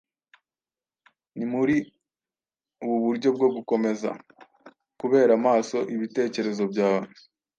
Ni muri ubu buryo bwo gukomeza "kubera maso" ibitekerezo byawe